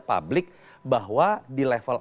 publik bahwa di level